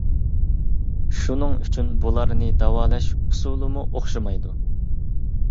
شۇنىڭ ئۈچۈن بۇلارنى داۋالاش ئۇسۇلىمۇ ئوخشىمايدۇ.